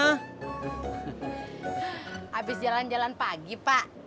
habis jalan jalan pagi pak